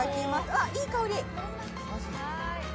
あっ、いい香り。